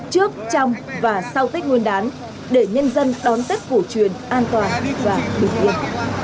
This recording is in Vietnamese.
trước trong và sau tết nguyên đán để nhân dân đón tết cổ truyền an toàn và bình yên